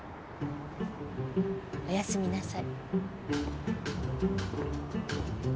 おやすみなさい。